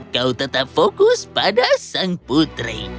kau tetap fokus pada sang putri